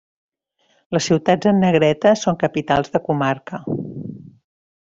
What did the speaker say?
Les ciutats en negreta són capitals de comarca.